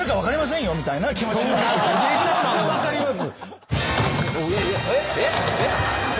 めちゃくちゃ分かります。